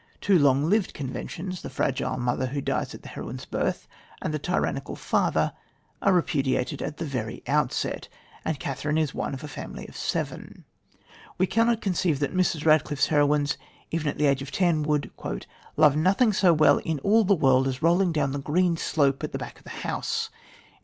Two long lived conventions the fragile mother, who dies at the heroine's birth, and the tyrannical father are repudiated at the very outset; and Catherine is one of a family of seven. We cannot conceive that Mrs. Radcliffe's heroines even at the age of ten would "love nothing so well in the world as rolling down the green slope at the back of the house."